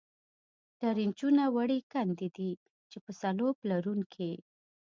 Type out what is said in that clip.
ټرینچونه وړې کندې دي، چې په سلوپ لرونکې.